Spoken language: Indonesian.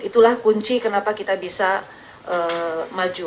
itulah kunci kenapa kita bisa maju